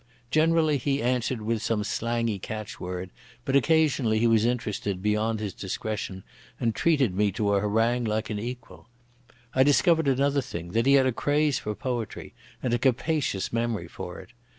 Generally he answered with some slangy catchword, but occasionally he was interested beyond his discretion, and treated me to a harangue like an equal. I discovered another thing, that he had a craze for poetry, and a capacious memory for it.